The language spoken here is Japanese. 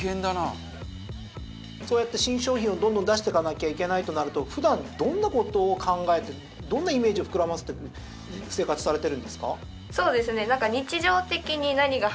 そうやって新商品をどんどん出していかなきゃいけないとなると普段どんな事を考えてどんなイメージを膨らませて生活されてるんですか？